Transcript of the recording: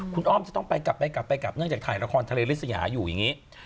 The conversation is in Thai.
คุณอ้อมจะต้องไปกลับนั่งจากถ่ายละครทะเลริศยาอยู่อย่างนี้